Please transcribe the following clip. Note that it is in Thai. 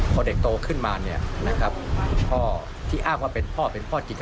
ก็ทั้งวันถากพี่ชิง